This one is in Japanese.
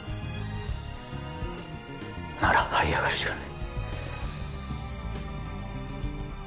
なら這い上がるしかない